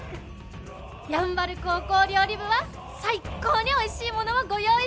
山原高校料理部は最高においしいものをご用意しました！